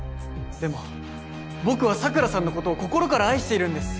でも僕は桜さんの事を心から愛しているんです。